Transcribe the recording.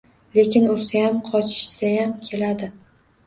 Lekin ursayam, qochishsayam keladi.